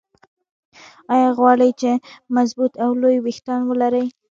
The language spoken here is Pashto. ايا غواړئ چې مضبوط او لوى ويښتان ولرى؟